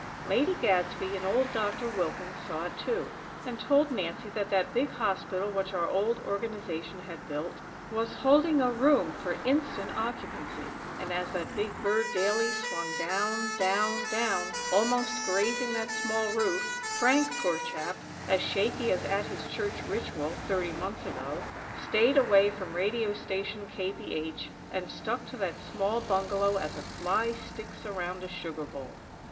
Lady Gadsby and old Doctor Wilkins saw it, too, and told Nancy that that big hospital which our old Organization had built, was holding a room for instant occupancy; and, as that big bird daily swung down, down, down, almost grazing that small roof, Frank, poor chap, as shaky as at his church ritual, thirty months ago, staid away from Radio Station KBH, and stuck to that small bungalow as a fly sticks around a sugar bowl.